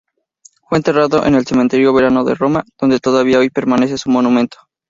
Fue enterrado en el Cementerio Verano de Roma, donde todavía hoy permanece su monumento.